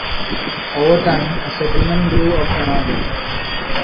Over time a settlement grew up around it.